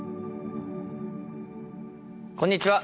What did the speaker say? こんにちは！